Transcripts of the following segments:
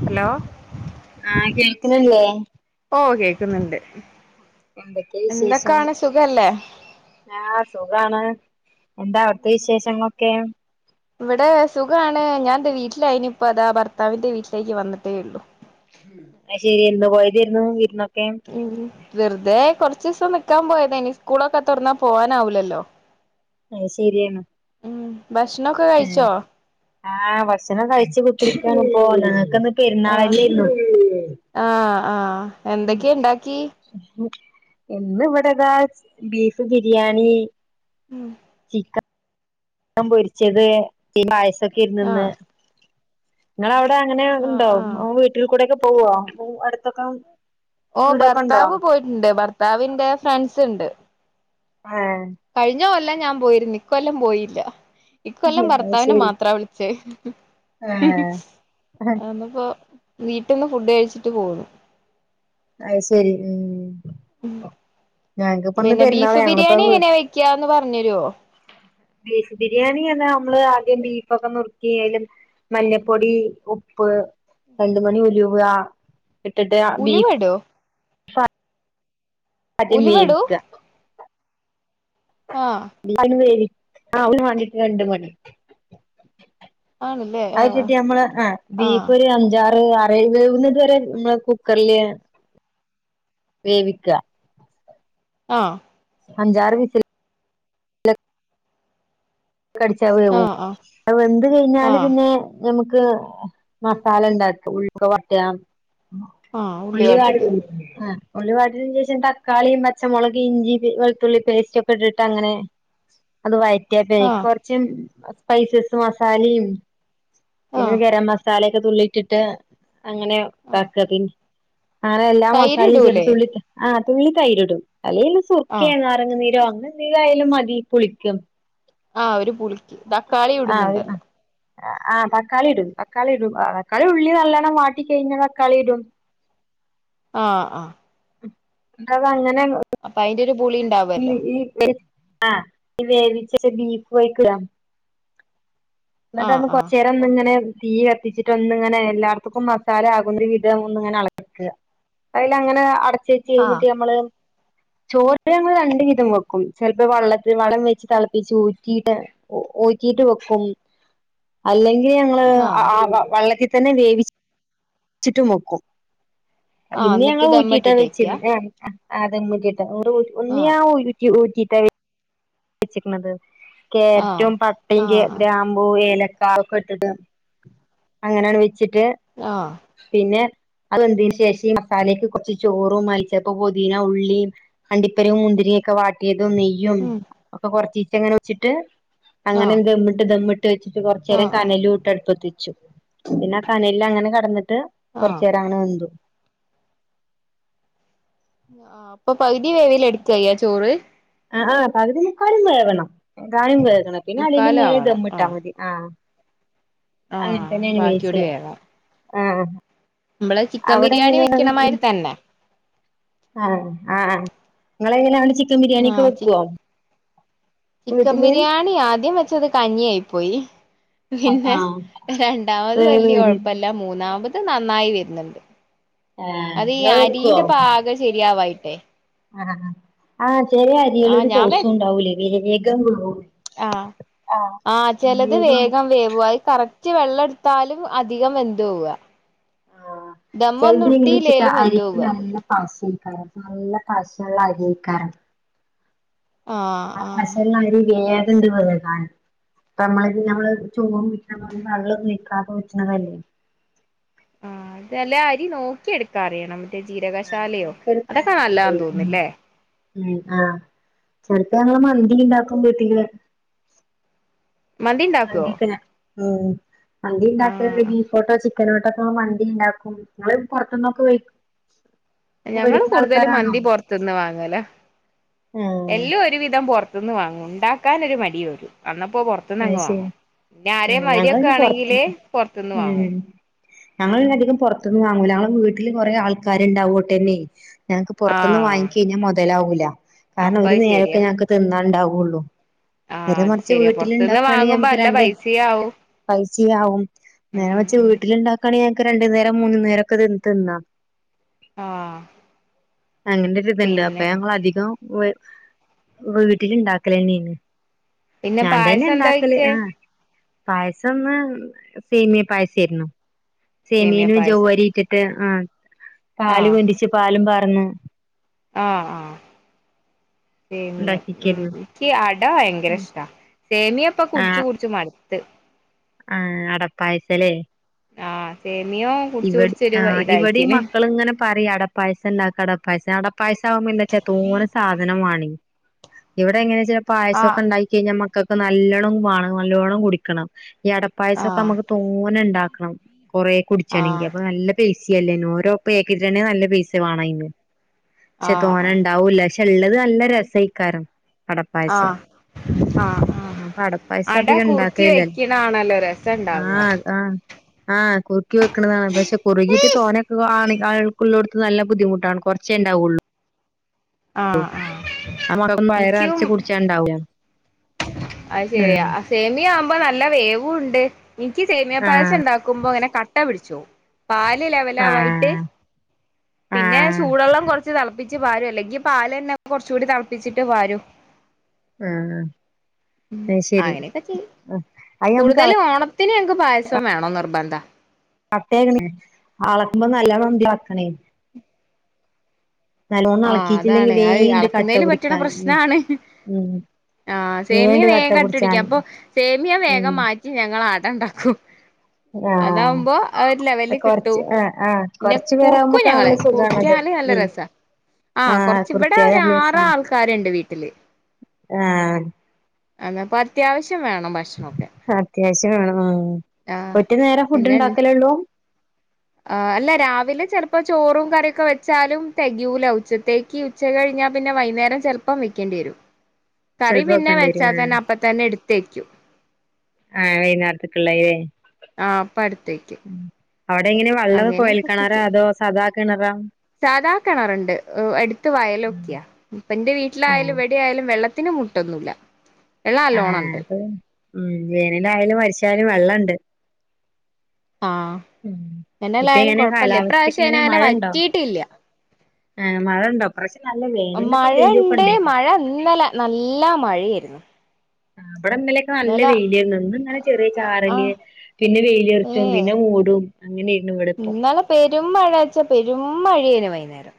Hello. ആഹ് കേൾക്ക്ണില്ലേ? ഓ കേക്കുന്നിണ്ട് എന്തൊക്കെ വിശേഷം എന്തൊക്കാണ് സുഖല്ലേ? ആഹ് സുഖാണ് എന്താ അവിട്ത്തെ വിശേഷങ്ങളൊക്കെ? ഇവിടെ സുഖാണ് ഞാൻ ദാ ഞാൻ ഇന്റെ വീട്ടിലായിനി ഇപ്പൊ അതാ ഭർത്താവിന്റെ വീട്ടിലേക്ക് വന്നിട്ടേ ഇള്ളു. അയ്ശെരി എന്ന് പോയതേരുന്നു വിരുന്നൊക്കെ? ഉം വെറുതെ കുറച്ചൂസം നിക്കാൻ പോയതേനി നി സ്കൂളൊക്കെ തൊറന്നാ പോവാനാവൂലല്ലോ. ഐ ശെരിയാണ്. ഉം ഭക്ഷണൊക്കെ കഴിച്ചോ? ആഹ് ഭക്ഷണം കഴിച്ചു കുത്തിരിക്കാണ് ഇപ്പോ ഞങ്ങക്കിന്ന് പെരുന്നാള് ആഹ് അല്ലേരുന്നു. ആഹ് ആഹ് ഉം എന്തൊക്കെയ ഉണ്ടാക്കി ഇന്ന് ഇവിടെ ദാ ബീഫ് ബിരിയാണി. ഉം. ചിക്ക ചിക്കൻ പൊരിച്ചത് പിന്നെ പായസൊക്കെ ഏരുന്നു ഇന്ന്. ആഹ് ഇങ്ങളെ അവടെ അങ്ങനെ ആഹ് ഇണ്ടോ ആഹ് വീട്ടിൽ കൂടെക്കെ പോവോ അടുത്തൊക്കെ ഓ വീടൊക്കെ ഉണ്ടോ ഭർത്താവ് പോയിട്ടുണ്ട് ഭർത്താവിന്റെ ഫ്രണ്ട്സ് ഇണ്ട് ഏഹ്. കഴിഞ്ഞ കൊല്ലം ഞാൻ പോയിരുന്നു ഇക്കൊല്ലം പോയില്ല. ഇക്കൊല്ലം അത് ഭർത്താവിനെ ശരി മാത്രാ വിളിച്ചേ. ഏഹ് ന്നിപ്പോ വീട്ടിന്ന് ഫുഡ് കഴിച്ചിട്ട് പോന്നു. അയ്ശെരി ഉം. ഞങ്ങക്കിപ്പൊ ന്ന് പിന്നെ പെരുന്നാളെ ബീഫ് ഞങ്ങളിപ്പോ ബിരിയാണി വ് എങ്ങനെയാ വെക്കാന്ന് പറഞ്ഞരോ ബീഫ് ബിരിയാണിയാണ് നമ്മള് ആദ്യം ബീഫൊക്കെ നുറുക്കിയാലും മഞ്ഞപ്പൊടി ഉപ്പ് രണ്ട് മണി ഉലുവ ഇട്ടിട്ട് ബീഫ് അയ് ഇടോ ആദ്യം ഉലുവടോ വേവിക്ക ആഹ് ആദ്യം വേവി ആഹ് ഒരു മണി രണ്ട് മണി ആണ് അത് ഇട്ടട്ട് നമ്മള് ആഹ് ബീഫ് ഒരു അഞ്ചാറ് ആറോഴ് വെറുന്നത് വരെ നമ്മള് കുക്കറില് വേവിക്ക ആഹ് അഞ്ചാറ് വിസിൽ കടിച്ചാൽ വേവും ആഹ് ആഹ് അത് വെന്ത് കഴിഞ്ഞാല് ആഹ് പിന്നെ ഞമുക്ക് മസാല ഉണ്ടാക്ക ഉള്ളി ഒക്കെ വാട്ടാ ആഹ് ഉള്ളി വാടി വാട്ടിയിട ആഹ് ഉള്ളി വാടിയതിന് ശേഷം തക്കാളിയും പച്ചമുളക് ഇഞ്ചി വെളുത്തുള്ളി പേസ്റ്റക്കെ ഇട്ടട്ട് അങ്ങനെ അത് വറ്റിയപ്പ അയിക്ക് ആഹ് കുറച്ച സ്പൈസസ് മസാലയും പിന്നെ ആഹ് ഗരം മസാലൊക്കെ തുള്ളിട്ടിട്ട് അങ്ങനെ ആഹ് ഇതാക്കുക പി അങ്ങനെ എല്ലാം തൈര് മസാലയും ചേർത്ട്ട് ഇടൂലേ തുള്ളി ആഹ് തുള്ളി തൈരിടും അല്ലേ സുർക്കെ ആഹ് [unintelligible] പനിനീരോ അങ്ങനെ എന്തേലും അയാലും മതി പുളിക്ക് ആഹ് ഒരു പുളിക്ക് തക്കാളി ഇടുന്നുണ്ടല്ലോ ആഹ് തക്കാളി ഇടും തക്കാളി ഇടും തക്കാളി ഉള്ളി നല്ലവണം വാട്ടി കഴിഞ്ഞാൽ തക്കാളി ഇടും ആഹ് ആഹ് ഉം അത് അങ്ങനെ അപ്പൊ അയിന്റെ ഒരു പുളി ഇണ്ടാവും ഈ ഈ ആഹ് വേവിച്ച ബീഫ് അയ്ക്ക് ഇടാ ഇന്നിട്ട് ആഹ് ഒന്ന് ആഹ് കൊറച്ച് നേരം ഒന്നിങ്ങനെ തീ കത്തിച്ചിട്ട് ഒന്നിങ്ങനെ എല്ലാർത്തക്കും മസാല ആകുന്ന വിധം ഒന്ന് ഇങ്ങനെ ഇളക്കുക അയില് അങ്ങനെ അടച്ച് വെച്ച് ആഹ് കഴിഞ്ഞിട്ട് ഞമ്മള് ചോറ് ഞങ്ങൾ രണ്ട് വിധം വെക്കും ചിലപ്പോ വെള്ളത്തിൽ വളളം വെച്ച് തിളപ്പിച്ച് ഊറ്റിട്ട് ഊ ഉറ്റിട്ട് വെക്കും അല്ലെങ്കിൽ ഞങ്ങള് ആഹ് ആ വെള്ളത്തിൽ തന്നെ വേവി ച്ചിട്ട് വെക്കും ആഹ് അല്ലെങ്കിൽ എന്നിട്ട് ഞങ്ങൾ ഊറ്റിയിട്ടാ ദമ്മിട്ടിട്ട് വെക്ക വെച്ചിരുന്നേ ആഹ് ആഹ് ആഹ് ദമ്മ് ഊറ്റിയിട്ട് [unintelligible] ആഹ് ഒന്നിയാ ഊറ്റി ഊറ്റിട്ടാ വച്ചക്കണത് ആഹ് കാരറ്റും പട്ടയും ആഹ് ഗ്ര ആഹ് മ്പൂ ഏലക്ക അതോക്കെ ഇട്ടത് അങ്ങനെയാണ് വെച്ചിട്ട് ആഹ് പിന്നെ അത് വെന്തോന് ശേഷം ഈ മസാലക്ക് കുറച്ച് ചോറും മല്ലിച്ചപ്പ് പുതിന ഉള്ളി അണ്ടിപ്പരിയും മുന്തിരിയൊക്കെ വാട്ടിയതും നെയ്യും ഉം ഒക്കെ കൊറച്ചീച്ചെ ഇങ്ങനെ വെച്ചിട്ട് ആഹ് അങ്ങനെ ദമ്ട്ട് ദമ്മ്ട്ട് വെച്ചിട്ട് കൊറച്ച് നേരം ആഹ് ആഹ് കനലൂട്ട് അടുപ്പത്ത് വച്ചു പിന്നെ ആ കനലിൽ അങ്ങനെ കടന്നിട്ട് കുറച്ച ആഹ് നേരം അങ്ങനെ വെന്തു ആഹ് അപ്പൊ പകുതി വേവില് എടുക്കയ്യാ ചോറ് ആഹ്ഹ് പകുതി മുക്കാലും വേകണം എന്തായാലും വേകണം പിന്നെ അടിലും മേലെ ദമ്മിട്ടാൽ മതി ആഹ് അങ്ങനെ ആഹ് തന്നെയാണ് വേവിച്ച ബാക്കിയൂടി വേവാം ആഹ് നമ്മള് ചിക്കൻ ബിരിയാണി വെക്കണമാതിരി തന്നെ ആഹ് ആഹ് നിങ്ങെള് എങ്ങനെ ചിക്കൻ ബിരിയാണി ഒക്കെ ആഹ് ചി വെക്കേ ചിക്കൻ ബിരിയാണി ആദ്യം വെച്ചത് കഞ്ഞി ആയി പോയി ആ പിന്നെ രണ്ടാമത് വലിയ കുഴപ്പല്ല മൂന്നാമത് ത് നന്നായി വരുന്നുണ്ട് ഏഹ് അത് ഈ ഇങ്ങള് വെക്കുവോ? അരിന്റെ പാക ശരിയാവായിട്ടെ ആഹ് ആ ചെല ആഹ് അരികളോരു ഞാൻ വെ പോസും ഉണ്ടാവൂലേ വേഗം [unintelligible] ആഹ് ആഹ് ചിലത് വേഗം വേവും അത് കറക് റ്റ് വെള്ളം എടുത്താലും അധികം വെന്ത് പോവാ ആഹ് ചെലത് ദമ്മൊന്നും എങ്ങനെച്ചിട്ട ഇട്ടീലേലും വെന്ത് അരിക്ക് പോവാ നല്ല പശയ്ക്കാരം നല്ല പാശള്ള അരി അയ്ക്കാരം ആഹ് ആ ആഹ് പശള്ളരി വേഗംണ്ട് വേവാന് ആഹ് നമ്മള് ഇ നമ്മള് ചോറു ഊറ്റ് ണ മാതിരി വെള്ളന്നും ഒഴിക്കാതെ ഊറ്റണതല്ലേ ആഹ് ചെല അരി നോക്കി എടുക്കാനറിയണം ആഹ് ജീരകശാലയോ നോക്കിയെടുക്കാൻ അതൊക്കെ അറിയണ അരി നല്ലാന്ന് തോന്നുന്നില്ലേ ഉം ആഹ് ചെൽപ്പ ഞങ്ങള് മന്തി ഉണ്ടാക്കുമ്പോ ത്തീരെ മന്തി ഒക്കെ ഉം ആ മന്തിണ്ടാക്കല്ണ്ട് ബീഫോണ്ടോ ചി - ക്കനോണ്ടൊക്കെ മന്തിണ്ടാക്കും ങ്ങള് പുറത്തിന്നൊക്കെ വെയ്ക്കും ഞങ്ങള് കൂടുതലും മന്തി പൊറത്ത്ന്ന് വാങ്ങലാ ആഹ് എല്ലാം ഒരുവിധം പൊറ- ത്ത്ന്ന് വാങ്ങും ണ്ടാക്കാനൊരു മടി വരും അന്നപ്പോ പുറത്ത് അത് ത്ത്ന്നങ്ങ് ശരി വാങ്ങും പിന്നെ ആഹ് ആരെങ്കിലും ഞങ്ങള് വരോക്കെ പിന്നെ പുറത്ത് ആണെങ്കില് പുറത്ത്ന്ന് വാങ്ങും ഉം ഞങ്ങള് പിന്നെ അധികം പുറത്തുന്ന് വാങ്ങൂല ഞങ്ങൾ വീട്ടില് കുറെ ആൾക്കാര്ണ്ടാവോ ണ്ടെന്നെ ഞങ്ങക്ക് ആ പുറത്തുന്ന് വാങ്ങി കഴിഞ്ഞാ മൊതലാവൂല്ല കാരണം അപ്പ ഒരു അത് നേരൊക്കെ ശരിയാ ഞങ്ങക്ക് തിന്നാണ്ടാവുള്ളൂ ആ അത് നേരെമറിച്ച് ശരിയാ വീട്ട് ത്ത് പുറത്തുന്ന് ണ്ടാക്കാണെങ്കി വാങ്ങുമ്പോ നമ്മക്ക് നല്ല രണ്ട് പൈസയാവും പൈസിം ആവും നേരെ ഉം മ - റിച്ച് ഉം വീട്ട്ലുണ്ടാക്കാണെങ്കി ഞൾക്ക് രണ്ടു നേരം മൂന്ന് നേരൊക്കെ ഇത് തിന്നാം ആ അങ്ങനെ ഒരു ഇതുണ്ട് അപ്പൊ പിന്നെ ഞങ്ങളധികം വ വീട്ടില് ഇണ്ടാക്കലന്നെആണ് പിന്നെ ഞാൻ തന്നെ പായസം എന്താ ണ്ടാക്കല് വെച്ചേ ആഹ് പായസംന്ന് സേമിയ പായസെ ആയിരുന്നു സേമിയ സെമീനും പായസം ചവ്വരി ഇട്ടിട്ട് ആഹ് ആ പാല് കൊണ്ടരിച്ച് പാലും പാർന്ന് ആഹ് ആഹ് സേമിയം ഉണ്ടാക്കിക്കായിരുന്നു ഉം ക്ക് അട ഭയങ്കര ഇഷ്ടാ സേമിയപ്പൊ കുടിച്ചു കുടിച്ച് മടുത്ത് ആഹ് അടപ്പായസലെ ആഹ് സേമിയോ കുടിച്ച് ഇവിട് കുടിച്ചൊരു ആഹ് ഇവിടെ ഈ ഇതായിക്കണ് മക്കള് ഇങ്ങനെ പറയ് അട പായസംണ്ടാക്ക അട പായസം അട പായസം ആവുമ്പോ എന്താച്ചാ തോനെ സാ - ധനം വാണേ ഇവിടെ എങ്ങനെച്ചാ പായസൊക്കെ ആഹ് ഉണ്ടായി പിന്നെ മക്കക്ക് നല്ലോണം വാണം നല്ലോണം കുടിക്കണം ഈ അടപ്പായസൊക്കെ ആഹ് നമ്മക്ക് തോനെണ്ടാക്കണം കൊറേ കുടിച്ചണെങ്കി ആഹ് അപ്പൊ നല്ല പൈസ അല്ലേ ഓരോ പാക്കറ്റ്നന്നെ നല്ല പൈസ വാണം അയ്‌ന് പക്ഷെ ആഹ് തോനെ ആഹ് ണ്ടാവൂല്ല പക്ഷെ ഉള്ളത് നല്ല രസായ്ക്കാരം അടപ്പായസം ആഹ് ആഹ് ആഹ് അപ്പ അട അടപ്പായസധികം കുറുക്കി ണ്ടാകലില്ല വെക്കണാണല്ലോ രസം ഉണ്ടാവുക ആഹ് അതാ ആഹ് കു - കുർക്കി വെക്ക്ണതാണ് പക്ഷെ കുറുകിട്ട് തോനെ ഒക്കെ ആളൊക്കെള്ളോട്ത്ത് നല്ല ബുദ്ധിമുട്ടാണ് കുറച്ചേ ഉണ്ടാവുള്ളു ള്ളു ആഹ് ആഹ് നമ്മക്കോന്നും വയറ് എനിക്കും നറച്ചു കുടിച്ചാ ഉണ്ടാവുല അത് ശെരിയാ സേമിയ ആവുമ്പോ നല്ല വേവുണ്ട് ഇനിക്ക് സേമിയ പായസം ആഹ് ഉണ്ടാക്കുമ്പോ ങ്ങനെ കട്ട പിടിച്ചോവും പാല് ലെവല് ആവായിട്ട് ആഹ് [inaudible] പിന്നെ ചൂടെള്ളം കുറച്ച് തിളപ്പിച്ച് പാരും അല്ലെങ്കിപാലന്നെ കുറച്ച് കൂടി തിളപ്പിച്ചിട്ട് പാരും ആഹ് ആഹ് അങ്ങനെയൊക്കെ ചെയ്യും ആഹ് അത് നമ്മക്ക് അള കൂടുതൽ ഓണത്തിന് ഞങ്ങക്ക് പായസം വേണോ നിർബന്ധം. കട്ടയാക്ണയ്ന് എളക്കുമ്പോ നല്ലോണം ഉന്തി ഇളക്കണൈ നല്ലോണം ആഹ് അളക്കിയിട്ടില്ലെങ്കി അതാണ് അഹ് വേണ്ട് കട്ട എളക്കുന്നതിൽ പറ്റ്ണ പിടിക്കാൻ ഉം പ്രശ്നാണ്. ഉം ആഹ് സേമിയ വേണ്ട് കട്ട വേഗം പിടിച്ചാൻ കട്ടപിടിക്കും അപ്പൊ സേമിയ ഉം വേഗം മാറ്റി ഞങ്ങൾ അട ഉണ്ടാക്കൂ. ആഹ് ലെവലിൽ കിട്ടും കൊറച്ച് ആഹ് ആഹ് പിന്നെ കൊറച്ചു കുറുക്കും പേരാവുമ്പോക്ക നല്ല ഞങ്ങള് സുഖാണത്. കുറിക്കാല് നല്ല ഉം രസാ ആഹ് കൊറച്ച് ഇവിടെ കുറുക്കിയാല് ഒരു നല്ല ആറ് രസാണ് ആൾക്കാരുണ്ട് വീട്ടില്. ആഹ് എന്ന അപ്പൊ അത്യാവശ്യം വേണം ഭക്ഷണൊക്കെ അത്യാവശ്യം വേണം, ഉം ആഹ് ഒറ്റ നേരം ഫുഡ് ഉണ്ടാക്കലേ ഉള്ളൂ? ആ അല്ല, രാവിലെ ചെലപ്പോ ചോറും കറിയൊക്കെ വെച്ചാലും തെകയൂല ഉച്ചത്തേക്ക് ഉച്ച കഴിഞ്ഞാ പിന്നെ വൈകുന്നേരം ചെല്പ്പം വയ്ക്കേണ്ടി വരും. [inaudible] കറി പിന്നെ വെക്കേണ്ടി വെച്ചാ വരും തന്നെ അപ്പ തന്നെ എടുത്ത് വെയ്ക്കും. ആ വൈകുന്നേരത്തേയ്ക്കുള്ള ലെ ആ അപ്പ അടുത്ത് വെയ്ക്കും. അവിടെ അങ്ങനെ ഒക്കെ ഒപ്പിയ്ക്കും. കിണറാ? സാധാ കെണറുണ്ട്. അടുത്ത് വയലൊക്കെയാ. ഇപ്പ എന്റെ ആഹ് വീട്ടിലായാലും ഇ ആയാലും വെള്ളത്തിന് മുട്ടൊന്നുല്ല. വെള്ളം ആഹ് നല്ലോണം ഉണ്ട്. അപ്പൊ ഉം വേനല് ആയാലും വെര ശ്ശിയാലും വെള്ളണ്ട്. ആ ഉം ഇപ്പൊ വേനലായാലും എങ്ങനെ കൊഴപ്പല്യാ. കാലാവസ്ഥക്കെ ഇപ്രാവശ്യം എങ്ങനെ അങ്ങനെ മഴ ഉണ്ടോ വറ്റിട്ടില്യാ. ആഹ് മഴ ഉണ്ടോ ഇപ്രാവശ്യം നല്ല വേനലൊക്കെ വെയിലൊക്കെ മഴേണ്ട്, ഉണ്ടേക്കും മഴ ഇന്നല നല്ല മഴയായിരുന്നു. ഇവ്ടെ ഇന്നലെ നല്ല വെയിലാരുന്നു. ഇന്ന് ഇങ്ങനെ ചെറിയ ചാറല്, ആഹ് പിന്നെ വെയിലൊറച്ചും ഏഹ് പിന്നെ മൂടും. അങ്ങനെയായിരുന്നു ഇവ്ടെ ഇന്നലെ പെരുംമഴയാച്ചാ പെരും മഴേരുന്നു വൈകുന്നേരം.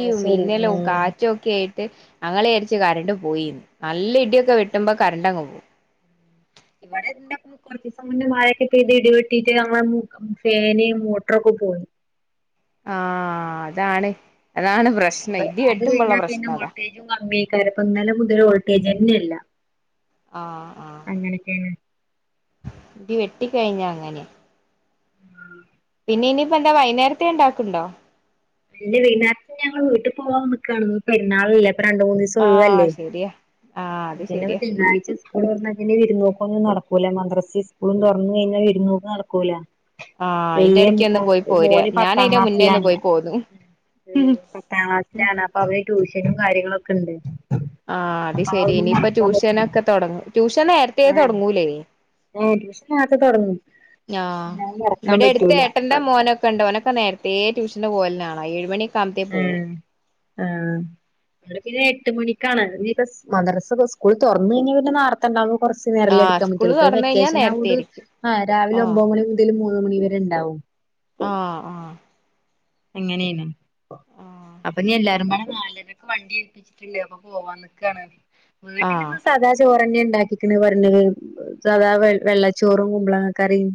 അത് ശരി മിന്നലും ഉം കാറ്റുക്കെയാ യിട്ട് ഞങ്ങള് വിചാരിച്ച് കറണ്ട് പോയീന്ന്. നല്ല ഇടിയൊക്കെ വെട്ടുമ്പോ കറണ്ടങ്ങ് പോവും. ഇവ്ടെ [unintelligible] കുറച്ച് ദിവസം മുന്നേ മഴക്കെപെയ്ത ഇടിവെട്ടീട്ട് നമ്മളെ [unintelligible] ഫേന് മോട്ട്റൊക്കെ പോവും. ആ അതാണ്, അതാണ് പ്രശ്നം ഇടി വെട്ടുമ്പോള്ള പ്രശ്നം അതാ. കമ്മീക്കാരം ഇപ്പം ഇന്നലെ മുതൽ വോൾട്ടേജ് ന്നെ ഇല്ല. ആ ആ അങ്ങനെയൊക്കെയാണ് ഇടി വെട്ടിക്കഴിഞ്ഞാ അങ്ങനെയാ [inaudible] പിന്നെ ഇനിയിപ്പ എന്താ വൈന്നേരത്തെ ഇണ്ടാക്കുണ്ടോ? പിന്നെ വൈന്നാരത്തേ ഞങ്ങള് വീട്ട് പോവാ നിക്കാണ്. ഇന്നിപ്പോ പെരുന്നാളല്ലേ. അപ്പ രണ്ട് മൂന്ന് ദിവസം സം ആഹ് ഒഴുവല്ലേ ശരിയാ ആഹ് അത് പിന്നെ ശരിയാ തിങ്കളാഴ്ച സ്കൂൾ തുറന്നാൽ പിന്നെ വിരുന്നു പോക്കൊന്നും നടക്കൂല. മദ്രസയും സ്കൂളും തുറന്നു കഴിഞ്ഞാൽ പിന്നെ വിരുന്നു പോക്കൊന്നും നടക്കൂല. ആഹ് അയിന്റെ എടക്ക് ഒന്ന് പോയി പോരാ വല്യമോന് ഞാൻ പത്താം അയിന്റെ മുന്നേ ഒന്ന് ക്ലാസ്സിലാണ്. പോയി പോന്നു മ് പത്താം ക്ലാസ്സിലാണ്. അപ്പൊ അവന് ട്യൂഷനും കാര്യങ്ങളൊക്കെ ഉണ്ട്. ആ അത് അപ്പൊ ശരി. അതൊന്നും ഇനിയിപ്പ മറക്കാൻ പറ്റൂല ട്യൂഷനൊക്കെ തെടങ്ങും. ട്യൂഷൻ നേരത്തെേ തൊടങ്ങൂലേ? ഏഹ് ട്യൂഷൻ അതൊക്കെ തെടങ്ങും. ആഹ് [unintelligible] അടക്കാൻ പറ്റൂല അതാ കണ്ടേ ഓനൊക്കെ നേരത്തെ ട്യൂഷനു പോവുന്നാളാ ഏഴുമണി ഉം ആഹ് വെളുപ്പിനേ എട്ട് മണിക്കാണ്. ഇനിയിപ്പോ മദ്രസ തൊ സ്കൂള് തൊർന്ന് കഴിഞ്ഞാ പിന്നെ നേർ [unintelligible] കൊർച്ച് നേരല്ലേ ആഹ് എടുക്കാൻ സ്കൂള് പറ്റുള്ളൂ. ഇപ്പോ ഈ തുറന്ന് കഴിഞ്ഞാൽ വെക്കേഷൻ നേരത്തെ ആയോണ്ട് ആയിരിക്കും നാ രാവിലെ ആഹ് ഒമ്പത് മണി മു [unintelligible] മൂന്ന് മണി വരെ ഇണ്ടാവും. ആഹ് ആഹ് അങ്ങനെണ്. അപ്പ ഇനി എല്ലാരും [unintelligible] നാലരയ്ക്ക് വണ്ടി [unintelligible] അപ്പൊ ഇഞ്ഞ് എല്ലാരും പാടെ [unintelligible] പോവാൻ നിക്കാണ്. വീട്ടിലിന്ന് ആഹ് സാദാ ചോറന്നെ ഇണ്ടാക്കി [unintelligible] പർഞ്ഞത് സാദാ വെ വെള്ളച്ചോറും കുമ്പ്ളങ്ങാ കറിം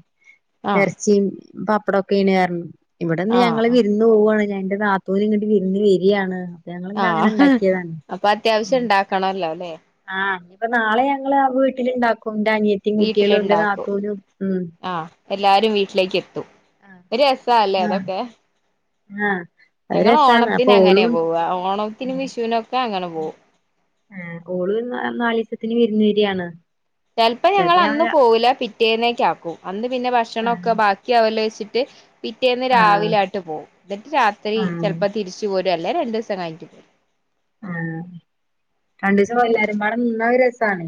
ആഹ് എർച്ചീം പപ്പടൊക്കെ [unintelligible] ഇവിടെന്ന് ഞങ്ങള് ആഹ് വി ആഹ് ന്ന് പോവാണ് നാ എൻ്റെ നാത്തൂന് ഇങ്ങട്ട് വിർന്ന് വരിയാണ്. ഞങ്ങളിന്ന് അങ്ങനെ ആഹ് ഉണ്ടാക്കിയതാണ് അപ്പൊ അത്യാവശ്യം ഉണ്ടാക്കണല്ലോല്ലേ ആഹ് അപ്പോ നാളെ ഞങ്ങള് വീട്ടിലിണ്ടാക്കും ന്റെ അനി വീട്ടിലിണ്ടാക്കും ആഹ് എല്ലാരും വീട്ടിലേക്ക് എത്തും ഒരു രസാല്ലേ ആഹ് അതൊക്കെ ആഹ് അത് ഞങ്ങള് രസാണ് അപ്പൊ ഓണത്തിന് അങ്ങനെ ഓളും പോവ ഓണത്തിനും വിഷുനൊക്കെ അങ്ങനെ പോകും ഉം ഓള് നാലീസത്തിന് വിർന്ന് വെരാണ് ചെൽപ്പോ ഞങ്ങള് അന്ന് പോകൂല പിറ്റേന്നേകാക്കും അന്ന് പിന്നെ ഭക്ഷണ ആഹ് ഒക്കെ ബാക്കി ആവേലേച്ചിട്ട് പിറ്റേന്ന് ആഹ് രാവിലെ ആട്ട് പോവും ന്നട്ട് രാത്രി ആഹ് ചെൽപ്പോ തിരിച്ചു പോരും അല്ലേ രണ്ടീസം കഴിഞ്ഞിട്ട് പോ [unintelligible] ആഹ് രണ്ടീസം പോല്ലാരുംപാടെ നിന്ന ഒരു രസാണ്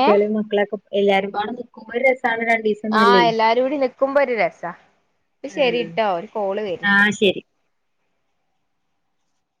ഏഹ് മക്കളക്കെ എല്ലാരുംപാടെ നിക്കുമ്പോ ഒരു രസാണ് രണ്ടീസ് ആഹ് എല്ലാരൂടി നിക്കുമ്പോ ഒരു രസാ ഒരു കോൾ ശരിട്ടോ ഒരു കോള് വെര്ണ്ട് ആഹ് ശരി